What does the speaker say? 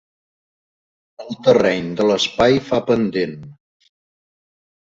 El terreny de l'espai fa pendent.